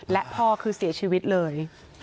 และพ่อคือเสียชีวิตเลย